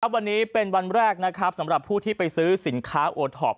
วันนี้เป็นวันแรกนะครับสำหรับผู้ที่ไปซื้อสินค้าโอท็อป